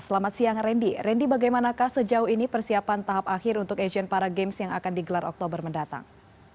selamat siang randy randy bagaimanakah sejauh ini persiapan tahap akhir untuk asian para games yang akan digelar oktober mendatang